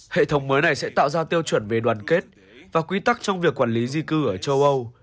hệ thống mới này sẽ tạo ra tiêu chuẩn về đoàn kết và quy tắc trong việc quản lý di cư ở châu âu